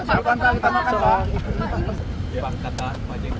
apa itu langkah terakhir